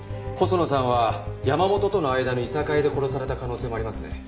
細野さんは山本との間のいさかいで殺された可能性もありますね。